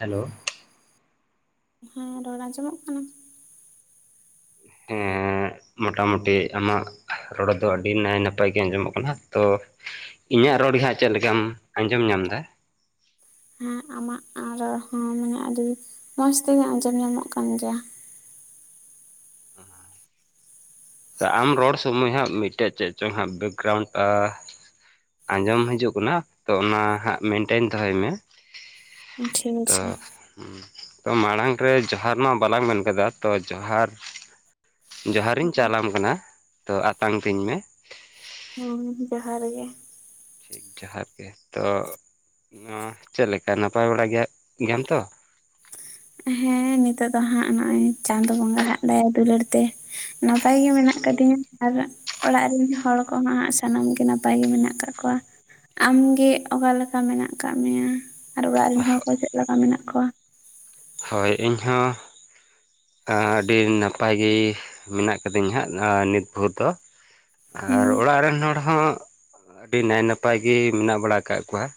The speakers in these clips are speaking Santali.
ᱦᱮᱞᱳ? ᱦᱮᱸ ᱨᱚᱲ ᱟᱸᱡᱚᱢᱚᱜ ᱠᱟᱱᱟ? [unintelligible] ᱢᱚᱴᱟᱢᱩᱴᱤ ᱟᱢᱟᱜ ᱨᱚᱲ ᱫᱚ ᱟᱹᱰᱤ ᱱᱟᱭ ᱱᱟᱯᱟᱭ ᱜᱮ ᱟᱸᱡᱚᱢᱚᱜ ᱠᱟᱱᱟ ᱛᱚᱼᱼ ᱤᱧᱟᱹᱜ ᱨᱚᱲ ᱜᱮ ᱦᱟᱸᱜ ᱪᱮᱫ ᱞᱮᱠᱟᱢ ᱟᱸᱡᱚᱢ ᱧᱟᱢ ᱮᱫᱟ? ᱦᱮᱸ, ᱟᱢᱟᱜ ᱨᱚᱲ ᱦᱚᱸ ᱢᱟᱱᱮ ᱟᱹᱰᱤ ᱢᱚᱸᱡᱽ ᱛᱮᱜᱮ ᱟᱸᱡᱚᱢ ᱧᱟᱢᱚᱜ ᱠᱟᱱ ᱜᱮᱭᱟ ᱾ ᱛᱚ ᱟᱢ ᱨᱚᱲ ᱥᱚᱢᱚᱭ ᱦᱟᱸᱜ ᱢᱤᱫ ᱴᱮᱱ ᱪᱮᱫ ᱪᱚᱝ ᱦᱟᱸᱜ ᱵᱮᱠᱜᱨᱟᱣᱩᱱᱴᱼᱟ ᱟᱸᱡᱚᱢ ᱦᱤᱡᱩᱜ ᱠᱟᱱᱟ? ᱛᱚ ᱚᱱᱟ ᱦᱟᱸᱜ ᱢᱮᱱᱴᱮᱱ ᱫᱚᱦᱚᱭ ᱢᱮ ᱾ ᱴᱷᱤᱠ ᱟᱪᱷᱮ ᱾ ᱛᱚ ᱢᱟᱲᱟᱝ ᱨᱮ ᱡᱚᱦᱟᱨ ᱢᱟ ᱵᱟᱞᱟᱝ ᱢᱮᱱ ᱠᱟᱫᱟ ᱛᱚ, ᱡᱚᱦᱟᱨ ᱾ ᱡᱚᱦᱟᱨᱤᱧ ᱟᱪᱷᱮ ᱪᱟᱞᱟᱢ ᱠᱟᱱᱟ, ᱛᱚ ᱟᱛᱟᱝ ᱛᱤᱧ ᱢᱮ? ᱦᱩᱸ ᱡᱚᱦᱟᱨ ᱜᱮ ᱾ ᱴᱷᱤᱠ ᱡᱚᱦᱟᱨ ᱜᱮ ᱛᱚ, ᱱᱚᱣᱟ ᱪᱮᱫ ᱞᱮᱠᱟ ᱱᱟᱯᱟᱭ ᱵᱟᱲᱟ ᱜᱮᱭᱟ ᱜᱮᱭᱟᱢ ᱛᱚ? ᱦᱮᱸ ᱱᱤᱛᱚᱜ ᱫᱚ ᱦᱟᱸᱜ ᱱᱚᱜᱼᱚᱭ ᱪᱟᱸᱫᱚ ᱵᱚᱸᱜᱟ ᱦᱟᱜ ᱫᱟᱭᱟ ᱫᱩᱞᱟᱹᱲ ᱛᱮ ᱾ ᱱᱟᱯᱟᱭ ᱜᱮ ᱢᱮᱱᱟᱜ ᱟᱠᱟᱫ ᱫᱤᱧᱟ ᱟᱨ ᱚᱲᱟᱜ ᱨᱮᱱ ᱦᱚᱲ ᱠᱚᱦᱚᱸ ᱦᱟᱜ ᱥᱟᱱᱟᱢ ᱜᱮ ᱱᱟᱯᱟᱭ ᱜᱮ ᱢᱮᱱᱟᱜ ᱠᱟᱜ ᱠᱚᱣᱟ ᱾ ᱟᱢ ᱜᱮ ᱚᱠᱟ ᱞᱮᱠᱟ ᱢᱮᱱᱟᱜ ᱟᱠᱟᱫ ᱢᱮᱭᱟ ᱟᱨ ᱚᱲᱟᱜ ᱨᱮᱱ ᱦᱚᱲ ᱠᱚ ᱪᱮᱫᱞᱮᱠᱟ ᱢᱮᱱᱟᱜ ᱠᱚᱣᱟ? ᱦᱳᱭ ᱤᱧ ᱦᱚᱸ ᱟᱹᱰᱤ ᱱᱟᱯᱟᱭ ᱜᱮ ᱢᱮᱱᱟᱜ ᱟᱠᱟᱫᱤᱧ ᱦᱟᱸᱜ ᱱᱤᱛ ᱵᱷᱳᱨ ᱫᱚ᱾ ᱦᱩᱸ ᱟᱨ ᱚᱲᱟᱜ ᱨᱮᱱ ᱦᱚᱲ ᱦᱚᱸ ᱟᱹᱰᱤ ᱱᱟᱭ ᱱᱟᱯᱟᱭ ᱜᱮ ᱢᱮᱱᱟᱜ ᱵᱟᱲᱟ ᱟᱠᱟᱜ ᱠᱚᱣᱟ ᱾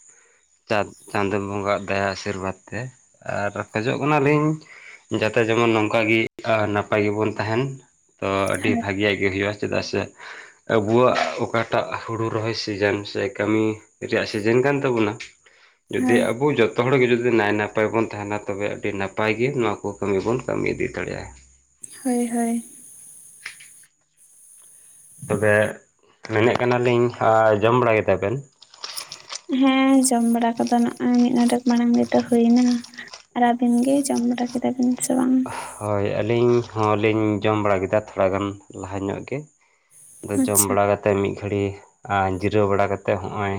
ᱪᱟᱸ ᱪᱟᱸᱫᱚ ᱵᱚᱸᱜᱟ ᱫᱟᱭᱟ ᱟᱥᱤᱨᱵᱟᱫᱽ ᱛᱮ ᱟᱨ ᱠᱷᱚᱡᱚᱜ ᱠᱟᱱᱟᱞᱤᱧ, ᱡᱟᱛᱮ ᱡᱮᱢᱚᱱ ᱱᱚᱝᱠᱟ ᱜᱮ ᱱᱟᱯᱟᱭ ᱜᱮ ᱵᱚᱱ ᱛᱟᱦᱮᱱ ᱾ ᱛᱚ ᱟᱹᱰᱤ ᱦᱳᱭ ᱵᱷᱟᱹᱜᱮ ᱟᱜ ᱦᱩᱭᱩᱜᱼᱟ ᱪᱮᱫᱟᱜ ᱥᱮ ᱟᱵᱚᱣᱟᱜ ᱚᱠᱟᱴᱟᱜ ᱦᱩᱲᱩ ᱨᱚᱦᱚᱭ ᱥᱤᱡᱮᱱ ᱥᱮ ᱠᱟᱹᱢᱤ ᱨᱮᱭᱟᱜ ᱥᱤᱡᱮᱱ ᱠᱟᱱ ᱛᱟᱵᱚᱱᱟ, ᱡᱩᱫᱤ ᱦᱳᱭ ᱟᱵᱚ ᱡᱚᱛᱚ ᱦᱚᱲ ᱜᱮ ᱡᱩᱫᱤ ᱱᱟᱭ ᱱᱟᱯᱟᱭ ᱵᱚᱱ ᱛᱟᱦᱮᱱᱟ ᱾ ᱛᱚ ᱟᱹᱰᱤ ᱱᱟᱯᱟᱭ ᱜᱮ ᱱᱚᱣᱟ ᱠᱚ ᱠᱟᱹᱢᱤ ᱵᱚᱱ ᱠᱟᱹᱢᱤ ᱤᱫᱤ ᱫᱟᱲᱮᱭᱟᱜᱼᱟ ᱾ ᱦᱳᱭ ᱦᱳᱭ ᱾ ᱛᱚ ᱵᱮ ᱢᱮᱱᱮᱫ ᱠᱟᱱᱟᱞᱤᱧ ᱡᱚᱢ ᱵᱟᱲᱟ ᱜᱮᱛᱟ ᱵᱮᱱ? ᱦᱮᱸ ᱡᱚᱢ ᱵᱟᱲᱟ ᱠᱚ ᱫᱚ ᱱᱚᱜᱼᱚᱭ ᱢᱤᱫ ᱜᱚᱰᱮᱠ ᱢᱟᱲᱟᱝ ᱨᱮᱫᱚ ᱦᱩᱭ ᱮᱱᱟ ᱾ ᱟᱨ ᱟᱹᱵᱤᱱ ᱜᱮ ᱡᱚᱢ ᱵᱟᱲᱟ ᱠᱮᱫᱟ ᱵᱤᱱ ᱥᱮ ᱵᱟᱝ? ᱦᱳᱭ ᱟᱹᱞᱤᱧ ᱦᱚᱸᱞᱤᱧ ᱡᱚᱢ ᱵᱟᱲᱟ ᱠᱮᱫᱟ, ᱛᱷᱚᱲᱟᱜᱟᱱ ᱞᱟᱦᱟ ᱧᱚᱜ ᱜᱮ ᱾ ᱟᱫᱚ ᱡᱚᱢ ᱟᱪᱪᱷᱟ ᱵᱟᱲᱟ ᱠᱟᱛᱮᱫ ᱢᱤᱫ ᱜᱷᱟᱹᱲᱤᱡ, ᱟᱨ ᱡᱤᱨᱟᱹᱣ ᱵᱟᱲᱟᱠᱟᱛᱮᱫ ᱦᱚᱜᱼᱚᱭ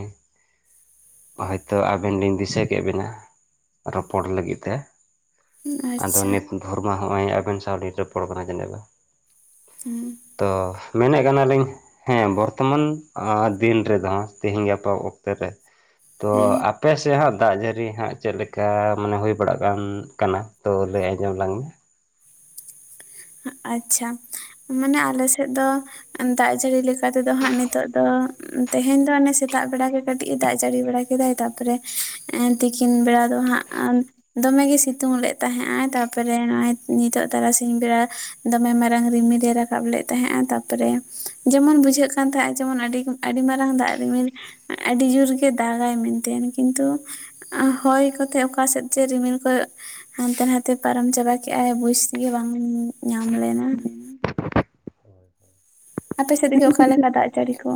ᱦᱳᱭᱛᱚ ᱟᱵᱮᱱ ᱞᱤᱧ ᱫᱤᱥᱟᱹ ᱠᱮᱫ ᱵᱮᱱᱟ, ᱨᱚᱯᱚᱲ ᱞᱟᱹᱜᱤᱫ ᱛᱮ ᱾ ᱟᱫᱚ ᱟᱪᱪᱷᱟ ᱱᱤᱛ ᱫᱷᱚᱨᱢᱟ ᱦᱚᱸᱜᱼᱚᱭ ᱟᱵᱮᱱ ᱥᱟᱶ ᱨᱚᱯᱚᱲ ᱠᱟᱱᱟ᱾ ᱡᱮᱱᱚ ᱟᱫᱚ ᱦᱩᱸ᱾ ᱛᱚ ᱢᱮᱱᱮᱫ ᱠᱟᱱᱟ ᱞᱤᱧ ᱦᱮᱸ ᱵᱚᱨᱛᱚᱢᱟᱱ ᱫᱤᱱ ᱨᱮᱫᱚ ᱛᱮᱦᱤᱧ ᱜᱟᱯᱟ ᱚᱠᱛᱮ ᱨᱮ ᱛᱚ ᱦᱮᱸ ᱟᱯᱮ ᱥᱮᱫ ᱦᱚᱸᱜ ᱫᱟᱜ ᱡᱟᱹᱲᱤ ᱦᱟᱸᱜ ᱪᱮᱫ ᱞᱮᱠᱟ ᱢᱟᱱᱮ ᱦᱩᱭ ᱵᱟᱲᱟᱜᱟᱱ ᱠᱟᱱᱟ, ᱛᱚ ᱞᱟᱹᱭ ᱟᱸᱡᱚᱢ ᱟ ᱞᱟᱝ ᱢᱮ? ᱟᱪᱪᱷᱟ, ᱢᱟᱱᱮ ᱟᱞᱮ ᱥᱮᱫ ᱫᱚ ᱫᱟᱜ ᱡᱟᱹᱲᱤ ᱞᱮᱠᱟ ᱛᱮ ᱫᱚ ᱦᱟᱸᱜ ᱱᱤᱛᱚᱜ ᱫᱚ ᱛᱮᱦᱮᱧ ᱫᱚ ᱚᱱᱮ ᱥᱮᱛᱟᱜ ᱵᱮᱲᱟ ᱜᱮ ᱠᱟᱹᱴᱤᱡ ᱫᱟᱜ ᱡᱟᱹᱲᱤ ᱵᱮᱲᱟ ᱠᱮᱫᱟᱭ, ᱛᱟᱨᱯᱚᱨᱮ ᱛᱤᱠᱤᱱ ᱵᱮᱲᱟ ᱫᱚ ᱦᱟᱸᱜ ᱫᱚᱢᱮᱜᱮᱭ ᱥᱤᱛᱩᱝ ᱞᱮᱫ ᱛᱟᱦᱮᱸᱜ ᱟᱭ ᱛᱟᱨᱯᱚᱨᱮ ᱱᱚᱜᱼᱚᱭ ᱱᱤᱛᱚᱜ ᱛᱟᱨᱟᱥᱤᱧ ᱵᱮᱲᱟ ᱫᱚ ᱢᱮ ᱢᱟᱨᱟᱝ ᱨᱤᱢᱤᱞᱮ ᱨᱟᱠᱟᱵ ᱞᱮᱫ ᱛᱟᱦᱮᱸᱜᱼᱟ᱾ ᱛᱟᱯᱚᱨᱮ ᱡᱮᱢᱚᱱ ᱵᱩᱡᱷᱟᱹᱜ ᱠᱟᱱ ᱛᱟᱦᱮᱸᱜ ᱡᱮᱢᱚᱱ ᱟᱹᱰᱤ ᱟᱹᱰᱤ ᱢᱟᱨᱟᱝ ᱫᱟᱜ ᱨᱤᱢᱤᱞ, ᱟᱹᱰᱤ ᱡᱳᱨ ᱜᱮ ᱫᱟᱜᱟᱭ ᱢᱮᱱᱛᱮ ᱠᱤᱱᱛᱩ ᱦᱚᱭ ᱠᱚᱛᱮᱫ ᱚᱠᱟ ᱥᱮᱫ ᱪᱮ ᱨᱤᱢᱤᱞ ᱠᱚ ᱦᱟᱱᱛᱮ ᱱᱟᱛᱮ ᱯᱟᱨᱚᱢ ᱪᱟᱵᱟ ᱠᱮᱜᱼᱟ, ᱵᱩᱡᱽ ᱜᱮ ᱵᱟᱝ ᱧᱟᱢ ᱞᱮᱱᱟ ᱾ ᱟᱯᱮᱥᱮᱫ ᱜᱮ ᱚᱠᱟ ᱞᱮᱠᱟ ᱫᱟᱜ ᱡᱟᱹᱲᱤ ᱠᱚ?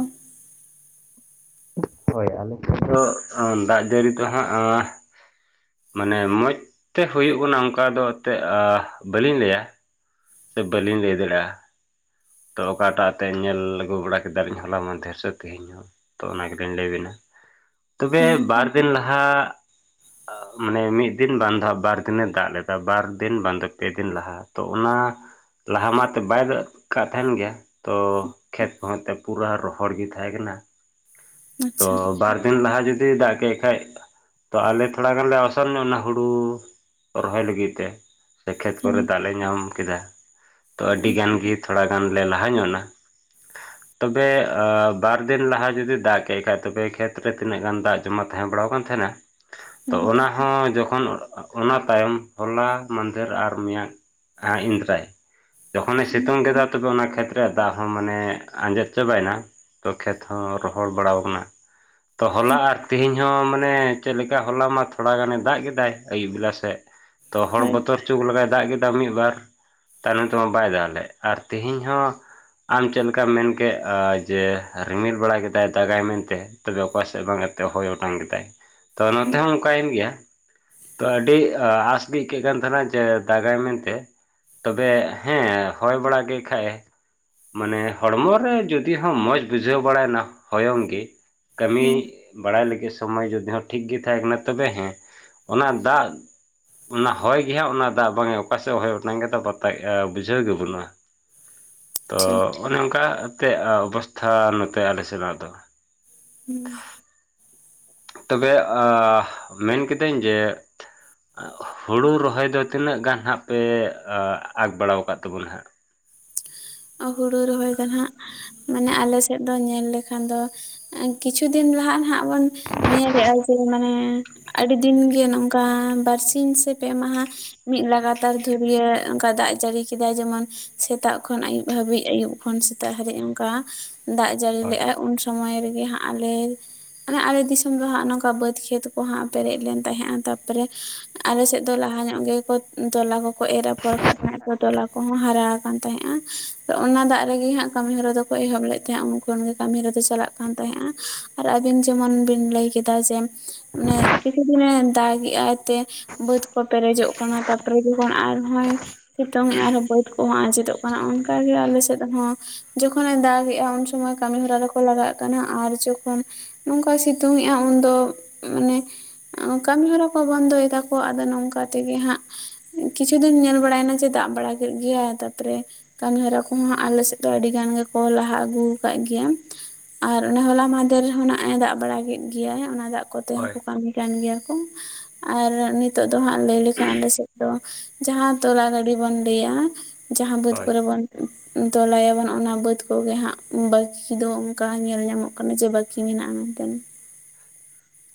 ᱦᱳᱭ ᱟᱞᱮ ᱴᱮᱱ ᱫᱚ ᱾ ᱦᱚᱸ ᱫᱟᱜ ᱡᱟᱹᱲᱤ ᱛᱮ ᱦᱟᱸᱜᱼᱟ ᱾ ᱢᱟᱱᱮ ᱢᱚᱡᱽ ᱛᱮ ᱦᱩᱭᱩᱜ ᱠᱟᱱᱟ ᱚᱱᱠᱟ ᱫᱚ ᱛᱮᱫ ᱵᱟᱹᱞᱤᱧ ᱞᱟᱹᱭᱟ ᱾ ᱥᱮ ᱵᱟᱞᱤᱧ ᱞᱟᱹᱭ ᱫᱟᱲᱮᱭᱟᱜᱼᱟ ᱾ ᱛᱚ ᱚᱠᱟᱴᱟᱜ ᱟᱛᱮᱧ ᱧᱮᱞ ᱟᱹᱜᱩ ᱵᱟᱲᱟ ᱠᱮᱫᱟ ᱞᱤᱧ ᱦᱚᱞᱟ ᱢᱟ ᱫᱷᱮᱨ ᱥᱮᱫ ᱛᱮᱦᱮᱧ ᱦᱚᱸ᱾ ᱛᱚ ᱚᱱᱟ ᱜᱮᱛᱚᱧ ᱞᱟᱹᱭ ᱵᱤᱱᱟ ᱛᱚᱵᱮ ᱦᱮᱸ ᱵᱟᱨ ᱫᱤᱱ ᱞᱟᱦᱟ ᱢᱟᱱᱮ ᱢᱤᱫ ᱫᱤᱱ ᱵᱟᱝᱫᱚ ᱵᱟᱨ ᱫᱤᱱ ᱫᱟᱜ ᱞᱮᱫᱟ ᱵᱟᱨ ᱫᱤᱱ ᱵᱟᱝᱫᱚ ᱯᱮ ᱫᱤᱱ ᱞᱟᱦᱟ ᱛᱚ ᱚᱱᱟ ᱞᱟᱦᱟ ᱢᱟᱛ ᱵᱟᱭ ᱫᱟ ᱠᱟᱜ ᱛᱟᱦᱮᱱ ᱜᱮᱭᱟ ᱛᱚ ᱠᱷᱮᱛ ᱠᱚᱦᱚ ᱛᱮ ᱯᱩᱨᱟᱹ ᱨᱚᱦᱚᱲ ᱜᱮ ᱛᱟᱦᱮᱸ ᱠᱟᱱᱟ ᱛᱚ ᱟᱪᱪᱷᱟ ᱵᱟᱨ ᱫᱤᱱ ᱞᱟᱦᱟ ᱡᱩᱫᱤ ᱫᱟᱜ ᱠᱮᱫ ᱠᱷᱟᱡ ᱛᱚ ᱟᱞᱮ ᱛᱷᱚᱲᱟ ᱜᱟᱱ ᱞᱮ ᱚᱥᱚᱨ ᱧᱚᱜ ᱱᱟ ᱦᱩᱲᱩ ᱨᱚᱦᱚᱭ ᱞᱟᱹᱜᱤᱫ ᱛᱮ ᱥᱮ ᱠᱷᱮᱛ ᱦᱮᱸ ᱠᱚᱨᱮ ᱫᱟᱜ ᱞᱮ ᱧᱟᱢ ᱠᱮᱫᱟ ᱛᱚ ᱟᱹᱰᱤ ᱦᱮᱸ ᱜᱟᱱ ᱜᱮ ᱛᱷᱚᱲᱟ ᱜᱟᱱ ᱞᱮ ᱞᱟᱦᱟ ᱧᱚᱜ ᱱᱟ ᱛᱚᱵᱮ ᱵᱟᱨ ᱫᱤᱱ ᱞᱟᱦᱟ ᱡᱩᱫᱤ ᱫᱟᱜ ᱠᱷᱮᱜ ᱠᱷᱟᱡ ᱛᱚᱵᱮ ᱠᱷᱮᱛ ᱨᱮ ᱛᱤᱱᱟᱹᱜ ᱜᱟᱱ ᱫᱟᱜ ᱡᱚᱢᱟ ᱛᱟᱦᱮᱸ ᱵᱟᱲᱟᱣᱠᱟᱱ ᱛᱟᱦᱮᱱᱟ ᱛᱚ ᱚᱱᱟ ᱦᱚᱸ ᱡᱚᱠᱷᱚᱱ ᱚᱱᱟ ᱛᱟᱭᱚᱢ ᱦᱚᱞᱟ ᱢᱫᱷᱮᱨ ᱟᱨ ᱢᱮᱭᱟᱝ ᱟ ᱤᱱᱫᱨᱟᱭ ᱡᱚᱠᱷᱚᱱᱮ ᱥᱤᱛᱩᱝ ᱠᱮᱫᱟ ᱛᱚᱵᱮ ᱚᱱᱟ ᱠᱷᱮᱛ ᱨᱮ ᱫᱟᱜ ᱦᱚᱸ ᱢᱟᱱᱮ ᱟᱸᱡᱮᱫ ᱪᱟᱵᱟᱭ ᱮᱱᱟ ᱛᱚ ᱠᱷᱮᱛ ᱦᱚᱸ ᱨᱚᱦᱚᱲ ᱵᱟᱲᱟᱣ ᱠᱟᱱᱟ ᱛᱚ ᱦᱚᱞᱟ ᱦᱮᱸ ᱟᱨ ᱛᱮᱦᱮᱧ ᱦᱚᱸ ᱢᱟᱱᱮ ᱪᱮᱫ ᱞᱮᱠᱟ ᱦᱚᱞᱟ ᱢᱟ ᱛᱷᱚᱲᱟ ᱜᱟᱱᱮ ᱫᱟᱜ ᱠᱮᱫᱟᱭ ᱟᱹᱭᱩᱵ ᱵᱮᱞᱟ ᱥᱮᱫ ᱛᱚ ᱦᱚᱲ ᱦᱳᱭ ᱵᱚᱛᱚᱨ ᱪᱩ ᱞᱮᱠᱟᱭ ᱫᱟᱜ ᱠᱮᱫᱟ ᱢᱤᱫᱵᱟᱨ ᱛᱟᱭᱱᱚᱢ ᱛᱮᱢᱟ ᱵᱟᱭ ᱫᱟᱜ ᱞᱮᱫ ᱟᱨ ᱛᱮᱤᱦᱤᱧ ᱦᱚᱸ ᱟᱢ ᱪᱮᱫ ᱞᱮᱠᱟᱢ ᱢᱮᱱ ᱠᱮᱫ ᱡᱮ ᱨᱤᱢᱤᱞ ᱵᱟᱲᱟ ᱠᱮᱫᱟᱭ ᱫᱟᱜᱟᱭ ᱢᱮᱱ ᱛᱮ ᱚᱠᱟᱥᱮᱫ ᱵᱟᱝᱛᱮ ᱦᱚᱭ ᱚᱴᱟᱝ ᱠᱮᱫᱟ ᱛᱚ ᱱᱚᱛᱮ ᱦᱚᱸ ᱚᱱᱠᱟᱭᱮᱱ ᱜᱮᱭᱟ ᱟᱹᱰᱤ ᱟᱥ ᱜᱮ ᱟᱹᱭᱠᱟᱹᱜ ᱠᱟᱱ ᱛᱟᱦᱮᱱᱟ ᱡᱮ ᱫᱟᱜᱟᱭ ᱢᱮᱱᱛᱮ ᱛᱚᱵᱮ ᱦᱮᱸ ᱦᱚᱭ ᱵᱟᱲᱟ ᱠᱮᱫ ᱠᱷᱟᱡ ᱮ ᱢᱟᱱᱮ ᱦᱚᱲᱢᱚ ᱨᱮ ᱡᱩᱫᱤ ᱦᱚᱸ ᱢᱚᱡᱽ ᱵᱩᱡᱷᱟᱹᱣ ᱵᱟᱲᱟᱭᱮᱱᱟ ᱦᱚᱭᱚᱝ ᱜᱮ ᱠᱟᱹᱢᱤ ᱦᱮᱸ ᱵᱟᱲᱟᱭ ᱞᱟᱹᱜᱤᱫ ᱥᱚᱢᱚᱭ ᱡᱩᱫᱤ ᱦᱚᱸ ᱴᱷᱤᱠ ᱜᱮ ᱛᱟᱦᱮᱸ ᱠᱟᱱᱟ ᱛᱚᱵᱮ ᱦᱮᱸ ᱚᱱᱟ ᱫᱟᱜ ᱚᱱᱟ ᱦᱚᱭ ᱜᱮ ᱦᱟᱸᱜ ᱚᱱᱟ ᱫᱟᱜ ᱵᱟᱝᱮ ᱚᱠᱟᱥᱮᱫ ᱦᱚᱭ ᱚᱴᱟᱝ ᱠᱮᱫᱟ ᱯᱟᱛᱟᱜ ᱮ ᱵᱩᱡᱷᱟᱹᱣ ᱜᱮ ᱵᱟᱹᱱᱩᱜᱼᱟ ᱛᱚ ᱴᱷᱤᱠ ᱚᱱᱮ ᱚᱝᱠᱟ ᱛᱮ ᱚᱵᱚᱥᱛᱷᱟ ᱱᱚᱛᱮ ᱟᱞᱮ ᱥᱮᱱᱟᱜ ᱫᱚ ᱦᱩᱸ ᱛᱚᱵᱮ ᱮ ᱢᱮᱱ ᱠᱤᱫᱟᱹᱧ ᱡᱮ ᱦᱩᱲᱩ ᱨᱚᱦᱚᱭ ᱫᱚ ᱛᱤᱱᱟᱹᱜ ᱜᱟᱱ ᱦᱟᱸᱜ ᱯᱮ ᱟᱠ ᱵᱟᱲᱟᱣ ᱠᱟᱜ ᱛᱟᱵᱚᱱᱟ ᱦᱟᱸᱜ ᱦᱩᱲᱩ ᱨᱚᱦᱚᱭ ᱫᱚ ᱦᱟᱜ ᱢᱟᱱᱮ ᱟᱞᱮ ᱥᱮᱫ ᱫᱚ ᱧᱮᱞ ᱞᱮᱠᱷᱟᱱ ᱫᱚ ᱠᱤᱪᱷᱩ ᱫᱤᱱ ᱞᱟᱦᱟᱜ ᱦᱟᱜ ᱵᱚᱱ ᱧᱮᱞᱮᱜᱟ ᱡᱮ ᱢᱟᱱᱮ ᱟᱹᱰᱤ ᱫᱤᱱ ᱜᱮ ᱱᱚᱝᱠᱟ ᱵᱟᱨᱥᱤ ᱥᱮ ᱯᱮ ᱢᱟᱦᱟ ᱢᱤᱫ ᱞᱟᱜᱟᱛᱟᱨ ᱫᱷᱩᱨᱭᱟᱹ ᱚᱱᱠᱟ ᱫᱟᱜ ᱡᱟᱹᱲᱤ ᱠᱮᱫᱟᱭ ᱡᱮᱢᱚᱱ ᱥᱮᱛᱟᱜ ᱠᱷᱚᱱ ᱟᱹᱭᱩᱵ ᱦᱟᱹᱵᱤᱡ ᱟᱹᱩᱵ ᱠᱷᱚᱱ ᱥᱮᱛᱟᱜ ᱦᱟᱹᱨᱤᱡ ᱚᱱᱠᱟ ᱫᱟᱜ ᱡᱟᱹᱲᱤ ᱦᱳᱭ ᱞᱮᱜᱟᱭ ᱩᱱ ᱥᱚᱢᱚᱭ ᱨᱮᱜᱮ ᱦᱟᱸᱜ ᱟᱞᱮ ᱦᱟᱱᱮ ᱟᱨᱮ ᱫᱤᱥᱚᱢ ᱫᱚ ᱦᱟᱸᱜ ᱱᱚᱝᱠᱟ ᱵᱟᱹᱫᱽ ᱠᱷᱮᱛ ᱠᱚᱦᱟᱸᱜ ᱯᱮᱨᱮᱡ ᱞᱮᱱ ᱛᱟᱦᱮᱸᱜᱼᱟ ᱛᱟᱨᱯᱚᱨᱮ ᱟᱞ ᱥᱮᱫ ᱫᱚ ᱞᱟᱦᱟ ᱧᱚᱜ ᱜᱮᱠᱚ ᱛᱚᱞᱟ ᱠᱚ ᱠᱚ ᱮᱨ ᱟᱯᱚᱨ ᱠᱟᱜ ᱛᱟᱦᱮᱜ ᱟ ᱛᱚ ᱛᱚᱞᱟ ᱠᱚᱦᱚᱸ ᱦᱟᱨᱟ ᱟᱠᱟᱱ ᱛᱟᱦᱮᱸᱫᱼᱟ ᱚᱱᱟ ᱫᱟᱜ ᱨᱮᱜᱮ ᱦᱟᱸᱜ ᱠᱟᱹᱢᱤᱦᱚᱨᱟ ᱫᱚᱠᱚ ᱮᱦᱚᱵ ᱞᱮᱫ ᱛᱟᱦᱮᱸᱜ ᱩᱱ ᱠᱷᱚᱱ ᱜᱮ ᱠᱟᱹᱢᱤᱦᱚᱨᱟ ᱫᱚ ᱪᱟᱞᱟᱜ ᱠᱟᱱ ᱛᱟᱦᱮᱫ ᱟ ᱟᱨ ᱟᱵᱤᱱ ᱡᱮᱢᱚᱱ ᱵᱤᱱ ᱞᱟᱹᱭ ᱠᱮᱫᱟ ᱡᱮ ᱢᱟᱱᱮ ᱠᱤᱪᱷᱩ ᱫᱤᱱᱮ ᱫᱟᱜ ᱮ ᱟᱭ ᱛᱮ ᱵᱟᱹᱫᱽ ᱠᱚ ᱯᱮᱨᱮᱡᱚᱜ ᱠᱟᱱᱟ ᱛᱟᱯᱚᱨᱮ ᱡᱚᱠᱷᱚᱱ ᱟᱨᱦᱚᱭ ᱥᱤᱛᱩᱝ ᱮᱜᱼᱟ ᱟᱨᱦᱚᱸ ᱵᱟᱹᱫ ᱠᱚᱦᱚᱸ ᱟᱸᱡᱮᱫᱚᱜ ᱠᱟᱱᱟ, ᱚᱱᱠᱟ ᱜᱮ ᱟᱞᱮ ᱥᱮᱫ ᱦᱚᱸ᱾ ᱡᱚᱠᱷᱚᱱᱮ ᱫᱟᱜᱮᱜᱼᱟ ᱩᱱ ᱥᱳᱢᱳᱭ ᱠᱟᱹᱢᱤ ᱦᱚᱨᱟ ᱨᱮᱠᱚ ᱞᱟᱜᱟᱜ ᱠᱟᱱᱟ ᱟᱨ ᱡᱚᱠᱷᱚᱱ ᱱᱚᱝᱠᱟᱭ ᱥᱤᱛᱩᱝᱮᱜᱼᱟ ᱩᱱᱫᱚ ᱢᱟᱱᱮ ᱠᱟᱹᱢᱤ ᱦᱚᱨᱟ ᱠᱚ ᱵᱚᱱᱫᱚᱭ ᱫᱟᱠᱚ, ᱟᱫᱚ ᱱᱚᱝᱠᱟ ᱛᱮᱜᱮ ᱦᱟᱸᱜ ᱠᱤᱪᱷᱩ ᱫᱤᱱ ᱧᱮᱞ ᱵᱟᱲᱟᱭ ᱱᱟ ᱡᱮ ᱫᱟᱜ ᱵᱟᱲᱟ ᱠᱮᱫ ᱜᱮᱭᱟᱭ, ᱛᱟᱯᱚᱨᱮ ᱠᱟᱹᱢᱤᱦᱚᱨᱟ ᱠᱚᱦᱚᱸ ᱟᱞᱮ ᱥᱮᱫ ᱫᱚ ᱟᱹᱰᱤ ᱜᱟᱱ ᱜᱮᱠᱚ ᱞᱟᱦᱟ ᱟᱹᱜᱩ ᱟᱠᱟᱫ ᱜᱮᱭᱟ᱾ ᱟᱨ ᱚᱱᱮ ᱦᱚᱞᱟ ᱢᱟᱦᱫᱮᱨ ᱦᱚᱸ ᱱᱟᱜ ᱮ ᱫᱟᱜ ᱵᱟᱲᱟ ᱠᱮᱫ ᱜᱮᱭᱟᱭ, ᱚᱱᱟ ᱫᱟᱜ ᱠᱚᱛᱮ ᱦᱳᱭ ᱦᱚᱸᱠᱚ ᱠᱟᱹᱢᱤ ᱠᱟᱱ ᱜᱮᱭᱟ ᱠᱚ ᱟᱨ ᱱᱤᱛᱚᱜ ᱫᱚ ᱦᱟᱸᱜ ᱞᱟᱹᱭ ᱞᱮᱠᱷᱟᱱ ᱟᱞᱮ ᱥᱮᱫ ᱫᱚ ᱡᱟᱦᱟᱸ ᱛᱚᱞᱟ ᱜᱟᱹᱰᱤ ᱵᱚᱱ ᱞᱟᱹᱭᱟ ᱡᱟᱦᱟᱸ ᱵᱟᱹᱫᱽ ᱦᱳᱭ ᱠᱚᱨᱮ ᱵᱚᱱ ᱛᱚᱞᱟᱭᱟᱵᱚᱱ ᱚᱱᱟ ᱵᱟᱹᱫ ᱠᱚᱜᱮ ᱦᱟᱸᱜ ᱵᱟᱹᱠᱤ ᱫᱚ ᱚᱝᱠᱟ ᱧᱮᱞ ᱧᱟᱢᱚᱜ ᱠᱟᱱᱟ, ᱡᱮ ᱵᱟᱹᱠᱤ ᱢᱮᱱᱟᱜᱼᱟ ᱢᱮᱱᱛᱮ᱾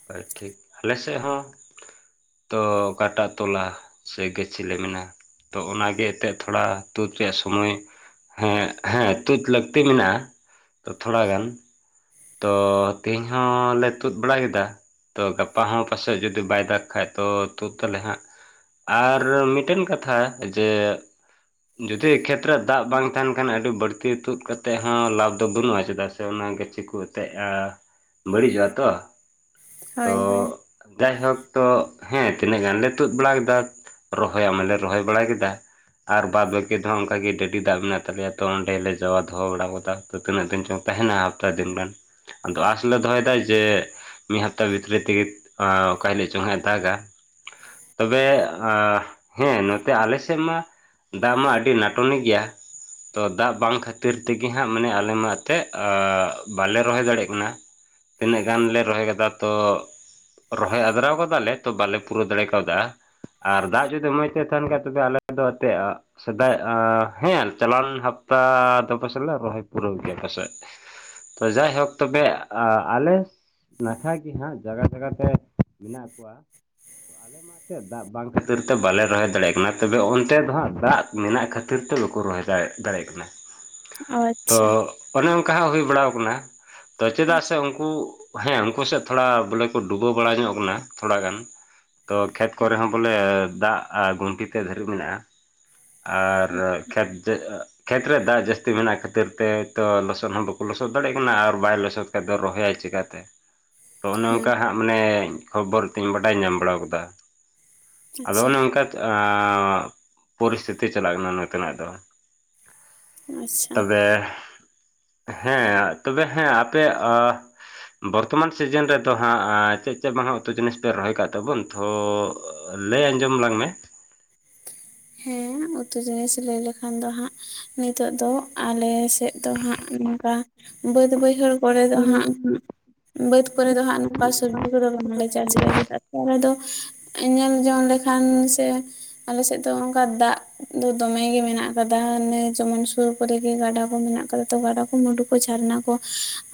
ᱦᱳᱭ ᱴᱷᱤᱠ, ᱟᱞᱮ ᱥᱮᱜ ᱦᱚᱸ ᱛᱚ ᱠᱟᱴᱟ ᱛᱚᱞᱟ ᱥᱮ ᱜᱟᱹᱪᱷᱤ ᱞᱮ ᱢᱮᱱᱟ᱾ ᱛᱚ ᱚᱱᱟᱜᱮ ᱮᱛᱮᱡ ᱛᱷᱚᱲᱟ ᱛᱩᱫ ᱨᱮᱭᱟᱜ ᱥᱳᱢᱳᱭ ᱦᱮᱸ ᱦᱮᱸ ᱛᱩᱫ ᱞᱟᱹᱠᱛᱤ ᱢᱮᱱᱟᱜᱼᱟ, ᱛᱚ ᱛᱷᱚᱲᱟ ᱜᱟᱱ᱾ ᱛᱚ ᱛᱤᱦᱤᱧ ᱦᱚᱸ ᱞᱮ ᱛᱩᱫ ᱵᱟᱲᱟ ᱠᱮᱫᱟ᱾ ᱛᱚ ᱜᱟᱯᱟ ᱦᱚᱸ ᱯᱟᱥᱮᱡ ᱡᱩᱫᱤ ᱵᱟᱭ ᱫᱟᱜ ᱠᱷᱟᱡ ᱛᱚ ᱛᱩᱫ ᱟᱞᱮ ᱦᱟᱸᱜ ᱾ ᱟᱨ ᱢᱤᱫᱴᱮᱱ ᱠᱟᱛᱷᱟ, ᱡᱮ ᱡᱩᱫᱤ ᱠᱷᱮᱛ ᱨᱮ ᱫᱟᱜ ᱵᱟᱝ ᱛᱟᱦᱮᱱ ᱠᱷᱟᱱ, ᱟᱹᱰᱤ ᱵᱟᱹᱲᱛᱤ ᱛᱩᱫ ᱠᱟᱛᱮᱫ ᱦᱚᱸ ᱞᱟᱵᱷ ᱫᱚ ᱵᱟᱹᱱᱩᱜᱼᱟ᱾ ᱪᱮᱫᱟᱜ ᱥᱮ ᱥᱮ ᱚᱱᱟ ᱜᱟᱹᱪᱷᱤ ᱠᱚ ᱮᱛᱮᱜᱼᱟ ᱵᱟᱹᱲᱤᱡᱚᱜᱼᱟ ᱛᱚ, ᱛᱚ ᱦᱳᱭ ᱦᱳᱭ ᱡᱟᱭᱦᱳᱠ ᱛᱚ ᱦᱮᱸ ᱛᱤᱱᱟᱹᱜ ᱜᱟᱱ ᱞᱮ ᱛᱩᱫ ᱵᱟᱲᱟ ᱠᱮᱫᱟ ᱨᱚᱦᱚᱭᱟᱜ ᱢᱟᱞᱮ ᱨᱚᱦᱚᱭ ᱵᱟᱲᱟ ᱠᱮᱫᱟ᱾ ᱟᱨ ᱵᱟᱫ ᱵᱟᱹᱠᱤ ᱫᱚ ᱦᱟᱸᱜ ᱚᱝᱠᱟ ᱜᱮ ᱰᱟᱹᱰᱤ ᱫᱟᱜ ᱢᱮᱱᱟᱜ ᱛᱟᱞᱮᱭᱟ ᱛᱚ, ᱚᱸᱰᱮ ᱞᱮ ᱡᱟᱣᱟ ᱫᱚᱦᱚ ᱵᱟᱲᱟᱣ ᱠᱟᱫᱟ᱾ ᱛᱤᱱᱟᱹᱜ ᱫᱤᱱ ᱪᱚᱝ ᱛᱟᱦᱮᱱᱟ ᱦᱟᱯᱛᱟ ᱫᱤᱱ ᱜᱟᱱ, ᱟᱫᱚ ᱟᱸᱥ ᱞᱮ ᱫᱚᱦᱚᱭ ᱫᱟ ᱡᱮ ᱢᱤᱫ ᱦᱟᱯᱛᱟ ᱵᱷᱤᱛᱨᱤ ᱛᱮᱜᱮ ᱟᱸ ᱚᱠᱟ ᱦᱤᱞᱳᱜ ᱪᱚᱝ ᱦᱟᱸᱜ ᱮ ᱫᱟᱜᱟ᱾ ᱛᱚᱵᱮ ᱟᱸ ᱦᱮᱸ ᱱᱚᱛᱮ ᱟᱞᱮ ᱥᱮᱜ ᱢᱟ ᱫᱟᱜ ᱢᱟ ᱟᱹᱰᱤ ᱱᱟᱴᱚᱱᱤ ᱜᱮᱭᱟ᱾ ᱛᱚ ᱫᱟᱜ ᱵᱟᱝ ᱠᱷᱟᱹᱛᱤᱨ ᱛᱤᱜᱤ ᱦᱟᱸᱜ ᱢᱟᱱᱮ ᱟᱞᱮ ᱢᱟ ᱛᱮᱫ ᱟᱻ ᱵᱟᱞᱮ ᱨᱚᱦᱚᱭ ᱫᱟᱲᱮᱜ ᱠᱟᱱᱟ, ᱛᱤᱱᱟᱹᱜ ᱜᱟᱱ ᱞᱮ ᱨᱚᱦᱚᱭ ᱠᱟᱫᱟ ᱛᱚ ᱨᱚᱦᱚᱭ ᱟᱫᱨᱟᱣ ᱠᱟᱫᱟᱞᱮ, ᱛᱚ ᱵᱟᱞᱮ ᱯᱩᱨᱟᱹᱣ ᱫᱟᱲᱮ ᱠᱟᱣᱫᱟ᱾ ᱟᱨ ᱫᱟᱜ ᱡᱩᱫᱤ ᱢᱚᱸᱡᱽ ᱛᱮ ᱛᱟᱦᱮᱱ ᱠᱷᱟᱡ ᱫᱚ ᱛᱚᱵᱮ ᱟᱞᱮ ᱫᱚ ᱮᱛᱮᱡ ᱥᱮᱫᱟᱭ ᱟ ᱦᱮᱸ ᱪᱟᱞᱟᱣ ᱞᱮᱱ ᱦᱟᱯᱛᱟᱻ ᱫᱚ ᱯᱟᱥᱮᱡ ᱞᱮ ᱨᱚᱦᱚᱭ ᱯᱩᱨᱟᱹᱣ ᱜᱮᱭᱟ ᱯᱟᱥᱮᱡ᱾ ᱛᱚ ᱡᱟᱭᱦᱳᱠ ᱛᱚᱵᱮ ᱟᱼᱟᱞᱮ ᱱᱟᱠᱷᱟᱡ ᱜᱮ ᱦᱟᱸᱜ ᱡᱟᱜᱟ ᱡᱟᱜᱟ ᱛᱮ ᱢᱮᱱᱟᱜ ᱠᱚᱣᱟ, ᱟᱞᱮ ᱢᱟ ᱚᱱᱟᱛᱮ ᱫᱟᱜ ᱵᱟᱝ ᱠᱷᱟᱹᱛᱤᱨ ᱛᱮ ᱵᱟᱞᱮ ᱨᱚᱦᱚᱭ ᱫᱟᱲᱮᱭᱟᱜ ᱠᱟᱱᱟ, ᱛᱚᱵᱮ ᱚᱱᱛᱮ ᱫᱚ ᱦᱟᱸᱜ ᱫᱟᱜ ᱢᱮᱱᱟᱜ ᱠᱷᱟ ᱛᱤᱨ ᱛᱮ ᱵᱟᱠᱚ ᱨᱚᱦᱚᱭ ᱫᱟᱲᱮ ᱫᱟᱲᱮᱜ ᱠᱟᱱᱟ᱾ ᱚ ᱛᱚ ᱟᱪᱪᱷᱟ ᱚᱱᱮ ᱚᱱᱠᱟ ᱦᱟᱸᱜ ᱦᱩᱭ ᱵᱟᱲᱟᱣ ᱠᱟᱱᱟ, ᱛᱚ ᱪᱮᱫᱟᱜ ᱥᱮ ᱩᱝᱠᱩ ᱦᱮᱸ ᱩᱝᱠᱩ ᱥᱮ ᱛᱷᱚᱲᱟ ᱵᱚᱞᱮ ᱠᱚ ᱰᱩᱵᱟᱹᱣ ᱵᱟᱲᱟ ᱧᱚᱜ ᱠᱟᱱᱟ ᱛᱷᱚᱲᱟ ᱜᱟᱱ᱾ ᱛᱚ ᱠᱷᱮᱛ ᱠᱚᱨᱮ ᱦᱚᱸ ᱵᱚᱞᱮ ᱫᱟᱜ ᱜᱷᱩᱱᱴᱤ ᱛᱮ ᱫᱷᱟᱹᱨᱤᱡ ᱢᱮᱱᱟᱜᱼᱟ᱾ ᱟᱨ ᱠᱷᱮᱛ ᱡᱮ ᱠᱷᱮᱛ ᱨᱮ ᱫᱟᱜ ᱡᱟᱹᱥᱛᱤ ᱢᱮᱱᱟᱜ ᱠᱷᱟᱹᱛᱤᱨ ᱛᱮ ᱛᱚ ᱞᱚᱥᱚᱫ ᱦᱚᱸ ᱵᱟᱠᱩ ᱞᱚᱥᱚᱫ ᱫᱟᱲᱮᱜ ᱠᱟᱱᱟ ᱟᱨ ᱵᱟᱭ ᱞᱚᱥᱚᱫ ᱠᱷᱟᱡ ᱫᱚ ᱨᱚᱦᱚᱭᱟᱭ ᱪᱮᱠᱟᱛᱮ? ᱛᱚ ᱚᱱᱮ ᱦᱮᱸ ᱚᱝᱠᱟ ᱦᱟᱸᱜ ᱢᱟᱱᱮ ᱠᱷᱚᱵᱚᱨ ᱛᱮᱜ ᱤᱧ ᱵᱟᱰᱟᱭ ᱧᱟᱢ ᱵᱟᱲᱟᱣ ᱠᱟᱫᱟ᱾ ᱟᱫᱚ ᱟᱪᱪᱷᱟ ᱚᱱᱮ ᱚᱝᱠᱟ ᱟᱸᱻ ᱯᱚᱨᱤᱥᱛᱷᱤᱛᱤ ᱪᱟᱞᱟᱜ ᱠᱟᱱᱟ ᱱᱚᱛᱮᱱᱟᱜ ᱫᱚ᱾ ᱟᱪᱪᱷᱟ ᱛᱚᱵᱮ ᱦᱮᱸ ᱛᱚᱵᱮ ᱦᱮᱸ ᱟᱯᱮᱭᱟᱜ ᱟ ᱵᱚᱨᱛᱚᱢᱟᱱ ᱥᱤᱡᱮᱱ ᱨᱮᱫᱚ ᱦᱟᱸᱜ ᱪᱮᱫ ᱪᱮᱫ ᱢᱟ ᱦᱟᱸᱜ ᱩᱛᱩ ᱡᱤᱱᱤᱥ ᱯᱮ ᱨᱚᱦᱚᱭ ᱠᱟᱜ ᱛᱟᱵᱚᱱ? ᱛᱷᱚᱻ ᱞᱟᱹᱭ ᱟᱸᱡᱚᱢ ᱟᱞᱟᱝ ᱢᱮ᱾ ᱦᱮᱸ ᱩᱛᱩ ᱡᱤᱱᱤᱥ ᱞᱟᱹᱭ ᱞᱮᱠᱷᱟᱱ ᱫᱚ ᱦᱟᱸᱜᱼᱼ ᱱᱤᱛᱚᱜ ᱫᱚ ᱟᱞᱮ ᱥᱮᱫ ᱫᱚ ᱦᱟᱸᱜ ᱱᱚᱝᱠᱟ ᱵᱟᱹᱫᱽ ᱵᱟᱹᱭᱦᱟᱹᱲᱼᱼ ᱠᱚᱨᱮ ᱫᱚ ᱦᱟᱸᱜ ᱵᱟᱹᱫᱽ ᱠᱚᱨᱮ ᱫᱚ ᱦᱟᱸᱜ ᱱᱚᱝᱠᱟ ᱥᱚᱵᱽᱡᱤ ᱠᱚᱫᱚ ᱵᱟᱝᱞᱮ ᱪᱟᱥ ᱜᱮᱭᱟ ᱪᱮᱫᱟᱜ᱾ ᱟᱞᱮ ᱫᱚ ᱧᱮᱞ ᱡᱚᱝ ᱞᱮᱠᱷᱟᱱ ᱥᱮ ᱟᱞᱮ ᱥᱮᱫᱼᱼ ᱛᱚ ᱚᱱᱠᱟ ᱫᱟᱜ ᱫᱚ ᱫᱚᱢᱮ ᱜᱮ ᱢᱮᱱᱟᱜ ᱟᱠᱟᱫᱟ ᱱᱮ ᱡᱮᱢᱚᱱ ᱥᱩᱨ ᱠᱚᱨᱮ ᱜᱮ ᱜᱟᱰᱟ ᱠᱚ ᱢᱮᱱᱟᱜ ᱠᱟᱫᱟ ᱛᱚ ᱜᱟᱰᱟ᱾ ᱠᱚᱼᱼ ᱢᱩᱰᱩ ᱠᱚ ᱡᱷᱟᱨᱱᱟ ᱠᱚ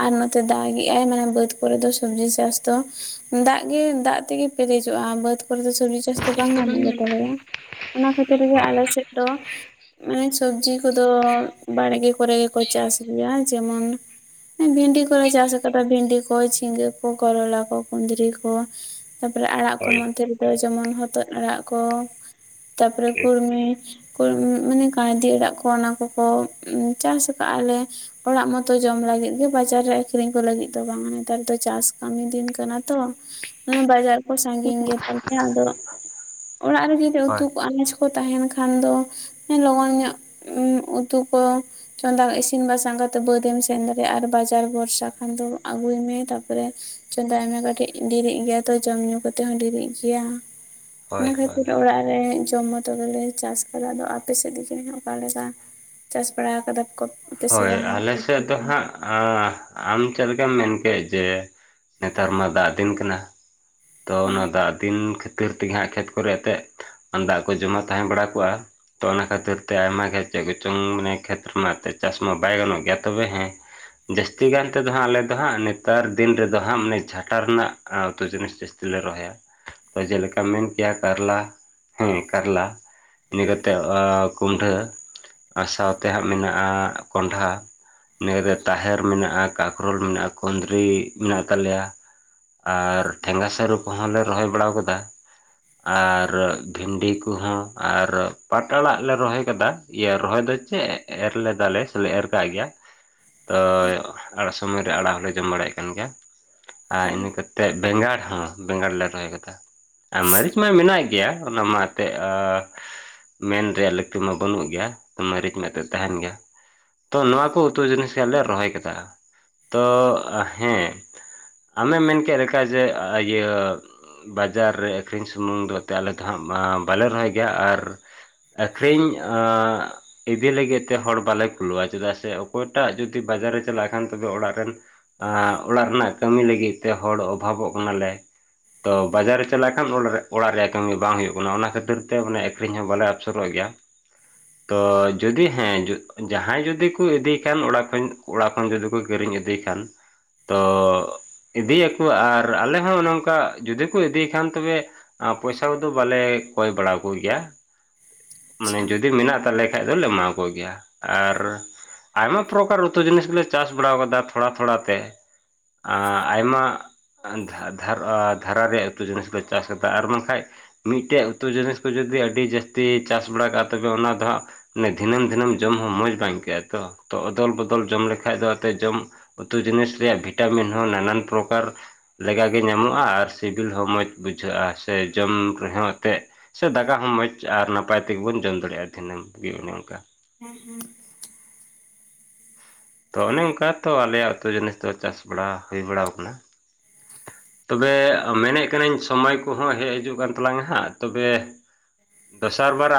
ᱟᱨ ᱱᱚᱛᱮ ᱫᱟᱜᱮᱭᱟᱭ ᱢᱟᱱᱮ ᱵᱟᱹᱫᱽ ᱠᱚᱨᱮ ᱫᱚ ᱥᱚᱵᱽᱡᱤ ᱪᱟᱥᱼᱼ ᱛᱚ ᱫᱟᱜ ᱜᱮ ᱫᱟᱜ ᱛᱮᱜᱮ ᱯᱮᱨᱮᱡᱚᱜᱼᱟ ᱵᱟᱹᱫᱽ ᱠᱚᱨᱮ ᱫᱚ ᱥᱚᱵᱽᱡᱤ ᱪᱟᱥ ᱫᱚ ᱵᱟᱝ ᱜᱟᱱᱚ ᱜᱮ ᱛᱟᱦᱮᱼᱟ᱾ ᱚᱱᱟ ᱠᱷᱟᱹᱛᱤᱨ ᱜᱮ ᱦᱳᱭ ᱟᱞᱮ ᱥᱮ ᱫᱚ᱾ ᱢᱟᱱᱮ ᱥᱚᱵᱽᱡᱤ ᱠᱚᱫᱚ ᱵᱟᱲᱜᱮ ᱠᱚᱨᱮ ᱜᱮᱠᱚ ᱪᱟᱥ ᱜᱮᱭᱟ ᱡᱮᱢᱚᱱᱼᱼ ᱵᱷᱤᱱᱰᱤ ᱠᱚᱞᱮ ᱪᱟᱥ ᱠᱟᱫᱟ ᱵᱷᱤᱱᱰᱤ ᱠᱚ ᱡᱷᱤᱸᱜᱟᱹ ᱠᱚ ᱠᱚᱨᱚᱞᱟ ᱠᱚ ᱠᱩᱸᱫᱽᱨᱤ ᱠᱚ᱾ ᱛᱟᱯᱚᱨᱮ ᱟᱲᱟᱜ ᱠᱚ ᱦᱳᱭ ᱢᱚᱫᱷᱮ ᱨᱮᱫᱚ ᱡᱮᱢᱚᱱ ᱦᱚᱛᱚᱫ ᱟᱲᱟᱜ ᱠᱚ ᱛᱟᱨᱯᱚᱨᱮ ᱴᱷᱤᱠ ᱠᱩᱲᱢᱤ᱾ ᱢᱟᱱᱮ ᱠᱟᱭᱫᱤ ᱟᱲᱟᱜ ᱠᱚ ᱚᱱᱟ ᱠᱚᱠᱚ ᱪᱟᱥ ᱟᱠᱟᱜ ᱟᱞᱮ᱾ ᱚᱲᱟᱜ ᱢᱚᱛᱚ ᱡᱚᱢ ᱞᱟᱹᱜᱤᱫ ᱜᱮ ᱵᱟᱡᱟᱨ ᱨᱮ ᱟᱠᱷᱨᱤᱧ ᱠᱚ ᱞᱟᱹᱜᱤᱫ ᱫᱚ ᱵᱟᱝᱼᱟ ᱱᱮᱛᱟᱨ ᱫᱚ ᱪᱟᱥ ᱠᱟᱹᱢᱤ ᱫᱤᱱ ᱠᱟᱱᱟ ᱛᱚ᱾ ᱵᱟᱡᱟᱨ ᱠᱚ ᱥᱟᱹᱜᱤᱧ ᱜᱮᱛᱟᱞᱮᱭᱟ ᱟᱫᱚ ᱚᱲᱟᱜ ᱨᱮᱜᱨ ᱞᱮ ᱦᱳᱭ ᱩᱛᱩ᱾ ᱠᱚ ᱟᱱᱟᱡ ᱠᱚ ᱛᱟᱦᱮᱱ ᱠᱷᱟᱱ ᱫᱚ ᱞᱚᱜᱚᱱ ᱧᱚᱜ ᱩᱛᱩ ᱠᱚ᱾ ᱪᱚᱸᱫᱟ ᱤᱥᱤᱱ ᱵᱟᱥᱟᱝ ᱠᱟᱛᱮ ᱵᱟᱹᱫᱢ ᱥᱮᱱ ᱫᱟᱲᱮᱭᱟᱜᱼᱟ ᱟᱨ ᱵᱟᱡᱟᱨ ᱵᱷᱚᱨᱥᱟᱼᱼ ᱠᱷᱟᱱ ᱫᱚ ᱟᱹᱜᱩᱭ ᱢᱮ ᱛᱟᱨᱯᱚᱨᱮᱼᱼ ᱪᱚᱸᱫᱟᱭ ᱟᱭᱢᱟ ᱠᱟᱹᱴᱤᱡ ᱰᱮᱨᱤᱜ ᱜᱮᱭᱟ ᱛᱚ ᱡᱚᱢ ᱧᱩᱩ ᱠᱟᱛᱮᱮᱫ ᱦᱚᱸ ᱰᱮᱨᱤᱜ ᱜᱮᱭᱟ᱾ ᱦᱳᱭ ᱚᱱᱟ ᱦᱳᱭ ᱠᱷᱟᱹᱛᱤᱨ ᱚᱲᱟᱜ ᱨᱮᱼᱼ ᱡᱚᱢ ᱢᱚᱛᱚ ᱜᱮᱞᱮ ᱪᱟᱥ ᱟᱠᱟᱫᱟ ᱟᱫᱚ ᱟᱯᱮ ᱥᱮᱫ ᱜᱮᱜᱮ ᱚᱠᱟᱞᱮᱠᱟ ᱪᱟᱥ ᱵᱟᱲᱟ ᱟᱠᱟᱫᱟ᱾ [unintelligible] ᱛᱮᱥᱮ ᱵᱟᱝ ᱥᱚᱵᱡᱤ ᱠᱚ ᱟ ᱟᱢ ᱪᱮᱫ ᱞᱮᱠᱟᱢ ᱢᱮᱱᱠ ᱡᱮ ᱱᱮᱛᱟᱨ ᱢᱟ ᱫᱟᱜ ᱫᱤᱱ ᱠᱟᱱᱟ᱾ ᱛᱚ ᱦᱮᱸ ᱚᱱᱟ ᱫᱟᱜ ᱫᱤᱱ ᱠᱷᱟᱹᱛᱤᱨ ᱛᱮᱜᱮ ᱦᱟᱸᱜ ᱠᱷᱮᱛ ᱠᱚᱨᱮ ᱮᱱᱛᱮᱜ ᱫᱟᱜ ᱠᱚ ᱡᱚᱢᱟ ᱛᱟᱦᱮᱸ ᱵᱟᱲᱟ ᱠᱚᱜᱼᱟ᱾ ᱛᱚ ᱚᱱᱟ ᱠᱷᱟᱹᱛᱤᱨ ᱛᱮ ᱟᱭᱢᱟ ᱜᱮ ᱪᱮᱫ ᱠᱚᱪᱚᱝ ᱢᱟᱱᱮ ᱠᱷᱮᱛᱨᱮ ᱢᱟ ᱮ ᱪᱟᱥ ᱢᱟ ᱵᱟᱭ ᱜᱟᱱᱚᱜ ᱜᱮᱭᱟ ᱛᱚᱵᱮ ᱦᱮᱸᱼᱼ ᱡᱟᱹᱥᱛᱤ ᱜᱟᱱ ᱛᱮᱫᱚ ᱦᱟᱸᱜ ᱟᱞᱮ ᱫᱚ ᱦᱟᱸᱜ ᱱᱮᱛᱟᱨ ᱫᱤᱱ ᱨᱮᱫᱚ ᱦᱟᱸᱜ ᱢᱟᱱᱮ ᱡᱷᱟᱴᱟ ᱨᱮᱱᱟᱜ ᱩᱛᱩ ᱡᱤᱱᱤᱥᱼᱼ ᱞᱮ ᱨᱚᱦᱚᱭᱟ ᱛᱚ ᱡᱮᱞᱮᱠᱟᱢ ᱢᱮᱱ ᱠᱮᱭᱟ ᱠᱟᱨᱞᱟ ᱦᱮᱸ ᱠᱟᱨᱞᱟ, ᱤᱱᱟᱹ ᱠᱟᱛᱮᱫ ᱠᱩᱢᱰᱷᱟᱹ ᱟᱨ ᱥᱟᱶᱛᱮ ᱦᱟᱸᱜ ᱢᱮᱱᱟᱜᱼᱟ ᱠᱚᱱᱰᱷᱟ᱾ ᱱᱨᱮ ᱛᱟᱦᱮᱨ ᱢᱮᱱᱟᱜᱼᱟ ᱠᱟᱠᱨᱳᱞ ᱢᱮᱱᱟᱜᱼᱟ ᱠᱩᱸᱫᱽᱨᱤ ᱢᱮᱱᱟᱜ ᱛᱟᱞᱮᱭᱟ᱾ ᱟᱨ ᱴᱷᱮᱸᱜᱟ ᱥᱟᱹᱨᱩ ᱠᱚᱦᱚᱸ ᱞᱮ ᱨᱚᱦᱚᱭ ᱵᱟᱲᱟ ᱟᱠᱟᱫᱟ᱾ ᱟᱨ ᱵᱷᱤᱱᱰᱤ ᱠᱚᱦᱚᱸ ᱟᱨ ᱯᱟᱴ ᱟᱲᱟᱜ ᱞᱮ ᱨᱚᱦᱚᱭ ᱟᱠᱟᱫᱟ᱾ ᱤᱭᱟᱹ ᱨᱚᱦᱚᱭ ᱫᱚ ᱪᱮᱫ ᱮᱨ ᱞᱮᱫᱟᱞᱮ ᱥᱮᱞᱮ ᱮᱨ ᱠᱟᱜ ᱜᱮᱭᱟ᱾ ᱛᱚ ᱟᱲᱟᱜ ᱥᱚᱢᱚᱭ ᱨᱮ ᱟᱲᱟᱜ ᱦᱚᱸᱞᱮ ᱡᱚᱢ ᱵᱟᱲᱟᱭᱮᱫ ᱠᱟᱱ ᱜᱮᱭᱟ᱾ ᱟᱨ ᱦᱮᱸ ᱤᱱᱟᱹᱛᱮᱫ ᱵᱮᱸᱜᱟᱲ ᱦᱚᱸ ᱵᱮᱸᱜᱟᱲ ᱞᱮ ᱨᱚᱦᱚᱭ ᱟᱠᱟᱟ ᱟᱨ ᱢᱟᱹᱨᱤᱪ ᱢᱟ ᱢᱮᱱᱟᱜ ᱜᱮᱭᱟ᱾ ᱚᱱᱟ ᱢᱟ ᱮᱱᱛᱮ ᱟᱨ ᱢᱮᱱ ᱨᱮᱭᱟᱜ ᱞᱟᱹᱠᱛᱤ ᱢᱟ ᱵᱟᱹᱱᱩᱜ ᱜᱮᱭᱟ ᱛ ᱢᱟᱹᱨᱤᱪ ᱢᱮᱫᱛᱮᱫ ᱛᱟᱦᱮᱱ ᱜᱮᱭᱟ᱾ ᱛᱚ ᱱᱚᱣᱟ ᱠᱚ ᱩᱛᱩ ᱡᱤᱱᱤᱥ ᱜᱮ ᱟᱞᱮ ᱨᱚᱦᱚᱭ ᱠᱮᱫᱟ ᱛᱚ ᱦᱮᱸ ᱟᱢᱮᱢ ᱢᱮᱱ ᱠᱮᱫ ᱞᱮᱠᱟ ᱡᱮᱼᱼ ᱤᱭᱟᱹ ᱵᱟᱡᱟᱨ ᱨᱮ ᱟᱹᱠᱷᱨᱤᱧ ᱥᱩᱢᱩᱝ ᱫᱚ ᱮᱱᱛᱮᱫ ᱟᱞᱮ ᱫᱚ ᱦᱟᱸᱜ ᱵᱟᱞᱮ ᱨᱚᱦᱚᱭ ᱜᱮᱭᱟ ᱟᱨᱼᱼ ᱟᱹᱠᱷᱨᱤᱧ ᱟᱜᱼᱼ ᱤᱫᱤ ᱞᱟᱹᱜᱤᱫ ᱛᱮ ᱦᱚᱲ ᱵᱟᱞᱮ ᱠᱷᱩᱞᱟᱹᱼᱟ ᱪᱮᱫᱟᱜ ᱥᱮ ᱚᱠᱚᱭᱴᱟᱜ ᱡᱩᱫᱤ ᱵᱟᱡᱟᱨᱮ ᱪᱟᱞᱟᱜ ᱠᱷᱟᱱ ᱛᱚᱵᱮ ᱚᱲᱟᱜ ᱨᱮᱱᱼᱼ ᱟ ᱚᱲᱟᱜ ᱨᱮᱱᱟᱜ ᱠᱟᱹᱢᱤ ᱞᱟᱹᱜᱤᱫ ᱛᱮ ᱦᱚᱲ ᱚᱵᱷᱟᱵᱚᱜ ᱠᱟᱱᱟᱞᱮ᱾ ᱛᱚ ᱵᱟᱡᱟᱨ ᱨᱮ ᱪᱟᱞᱟᱜ ᱠᱷᱟᱱ ᱚᱲᱟᱜ ᱨᱮᱭᱟᱜ ᱠᱟᱹᱢᱤ ᱵᱟᱝ ᱦᱩᱭᱩᱜ ᱠᱟᱱᱟ ᱚᱱᱟ ᱠᱷᱟᱹᱛᱤᱨ ᱛᱮ ᱟᱱᱮ ᱟᱹᱠᱷᱨᱤᱧ ᱦᱚᱸ ᱵᱟᱞᱮ ᱟᱯᱥᱚᱨᱚᱜ ᱜᱮᱭᱟ᱾ [inaudible] ᱛᱚ ᱡᱩᱫᱤ ᱦᱮᱸ ᱡᱟᱦᱟᱸᱭ ᱡᱩᱫᱤ ᱠᱚ ᱤᱫᱤᱭ ᱠᱷᱟᱱ ᱚ ᱚᱲᱟᱜ ᱠᱷᱚᱱ ᱡᱩᱫᱤ ᱠᱚ ᱠᱤᱨᱤᱧ ᱤᱫᱤ‌ ᱠᱷᱟᱱᱼᱼ ᱛᱚ ᱤᱫᱤᱭᱟᱠᱩ ᱟᱨ ᱟᱞᱮ ᱦᱚᱸ ᱚᱱ ᱟᱝ ᱠᱟ ᱡᱩᱫᱤ ᱠᱩ ᱤᱫᱤᱭ ᱠᱷᱟᱱ ᱛᱚᱵᱮ ᱟᱸ ᱯᱚᱭᱥᱟ ᱠᱩᱫᱚ ᱵᱟᱞᱮ ᱠᱚᱭ ᱵᱟᱲᱟ ᱠᱩᱜᱮᱭᱟ᱾ ᱢᱟᱱᱮ ᱟᱪᱪᱷᱟ ᱡᱩᱫᱤ ᱢᱮᱱᱟᱜ ᱛᱟᱞᱮ ᱠᱷᱟᱡ ᱫᱚᱞᱮ ᱮᱢᱟᱣ ᱠᱚ ᱜᱮᱭᱟ ᱟᱨ ᱟᱭᱢᱟ ᱯᱨᱚᱠᱟᱨ ᱩᱛᱩ ᱡᱤᱱᱤᱥ ᱜᱮᱞᱮ ᱪᱟᱥ ᱵᱟᱲᱣ ᱟᱠᱟᱫᱟ ᱛᱷᱚᱲᱟ ᱛᱷᱚᱲᱟ ᱛᱮ᱾ ᱟᱸ ᱟᱭᱢᱟ [unintelligible] ᱫᱷᱟᱨ ᱟ ᱫᱷᱟᱨᱟ ᱨᱮᱭᱟᱜ ᱩᱛᱩ ᱡᱤᱱᱤᱥ ᱫᱚ ᱪᱟᱥ ᱠᱟᱫᱟ ᱟᱨ ᱵᱟᱝᱠᱷᱟᱡ ᱢᱤᱫᱴᱮᱡ ᱩᱛᱩ ᱡᱤᱱᱤᱥ ᱠᱩ ᱡᱩᱫᱤ ᱟᱹᱰᱤ ᱡᱟᱹᱥᱛᱤ ᱪᱟᱥ ᱵᱟᱲᱟ ᱠᱟᱜᱼᱟ ᱛᱚᱵᱮ ᱚᱱᱟ ᱫᱚ ᱦᱟᱸᱜ ᱱᱮ ᱫᱷᱤᱱᱟᱹᱢ ᱫᱷᱤᱱᱟᱹᱢ ᱡᱚᱢ ᱦᱚᱸ ᱢᱚᱡᱽ ᱵᱟᱝ ᱟᱹᱭᱠᱟᱹᱜᱼᱟ ᱛᱚ, ᱛᱚ ᱚᱫᱚᱞ ᱵᱚᱫᱚᱞ ᱡᱚᱢ ᱞᱮᱠᱷᱟᱡ ᱫᱚ ᱟᱛᱮ ᱡᱚᱢ ᱩᱛᱩ ᱡᱤᱱᱤᱥ ᱨᱮᱭᱟᱜ ᱵᱷᱤᱴᱟᱢᱤᱱ ᱦᱚᱸ ᱱᱟᱱᱟᱱ ᱯᱨᱚᱠᱟᱨ ᱞᱮᱜᱟ ᱜᱮ ᱧᱟᱢᱚᱜᱼᱟ ᱟᱨ ᱥᱤᱵᱤᱞ ᱦᱚᱸ ᱢᱚᱡᱽ ᱵᱩᱡᱷᱟᱹᱜᱼᱟ ᱥᱮ ᱡᱚᱢ ᱨᱮᱦᱚᱸ ᱮᱛᱮᱜ ᱪᱷᱟᱹ ᱫᱟᱠᱟ ᱦᱚᱸ ᱢᱚᱸᱡᱽ ᱟᱨ ᱱᱟᱯᱟᱭ ᱛᱮᱜᱮᱵᱚᱱ ᱡᱚᱢ ᱫᱟᱲᱮᱭᱟᱜᱼᱟ ᱫᱷᱤᱱᱟᱹᱢ [unintelligible] ᱚᱱᱮ ᱚᱱᱠᱟ᱾ ᱦᱩ ᱦᱩ ᱛᱚ ᱚᱱᱮ ᱚᱱᱠᱟ ᱛᱚ ᱟᱞᱮᱭᱟᱜ ᱩᱛᱩ ᱡᱤᱱᱤᱥ ᱫᱚ ᱪᱟᱥ ᱵᱟᱲᱟ ᱦᱩᱭ ᱵᱟᱲᱟᱣ ᱟᱠᱟᱱᱟ᱾ ᱛᱚᱵᱮ ᱢᱮᱱᱮᱫ ᱠᱟᱹᱱᱟᱹᱧ ᱥᱚᱢᱚᱭ ᱠᱚᱦᱚᱸ ᱦᱮᱡ ᱦᱤᱡᱩᱜ ᱠᱟᱱ ᱛᱟᱞᱟᱝᱟ ᱦᱟᱸᱜ ᱛᱚᱵᱮ ᱫᱚᱥᱟᱨ ᱵᱟᱨᱟ ᱟᱨ